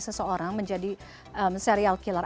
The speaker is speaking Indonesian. seseorang menjadi serial killer